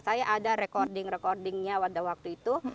saya ada recording recordingnya pada waktu itu